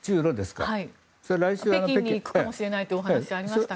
北京に行くかもしれないというお話がありましたが。